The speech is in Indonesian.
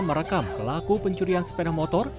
merekam pelaku pencurian sepeda motor